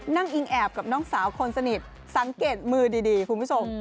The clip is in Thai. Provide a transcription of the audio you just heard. อิงแอบกับน้องสาวคนสนิทสังเกตมือดีคุณผู้ชม